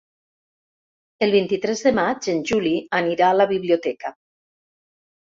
El vint-i-tres de maig en Juli anirà a la biblioteca.